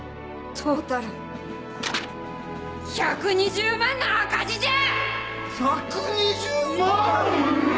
トータル１２０万の赤字じゃ！